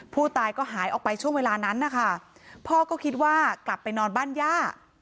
ผู้ตายก็หายออกไปช่วงเวลานั้นนะคะพ่อก็คิดว่ากลับไปนอนบ้านย่า